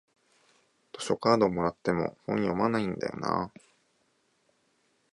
図書カードもらっても本読まないんだよなあ